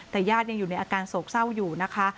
แต่ญาติยังอยู่ในอาการโศกเศร้าอยู่นะคะ